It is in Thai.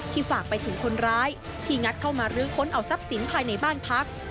ฝากไปถึงคนร้ายที่งัดเข้ามาลื้อค้นเอาทรัพย์สินภายในบ้านพัก